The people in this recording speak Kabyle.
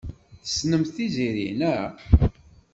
Tessnemt Tiziri, naɣ?